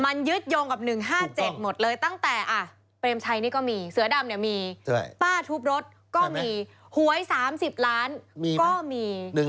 มันยึดโยงกับ๑๕๗หมดเลยตั้งแต่เปรมชัยนี่ก็มีเสือดำเนี่ยมีป้าทุบรถก็มีหวย๓๐ล้านก็มี